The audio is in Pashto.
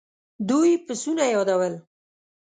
دوی پسونه يادول.